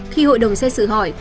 khi hội đồng xét xử hỏi